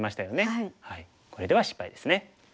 これでは失敗ですね。